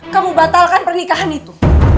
kamu batalkan pernikahan itu